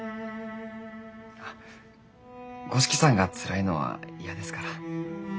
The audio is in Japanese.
あっ五色さんがつらいのは嫌ですから。